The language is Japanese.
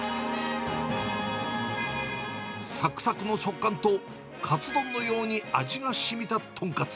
さくさくの食感と、カツ丼のように味がしみた豚カツ。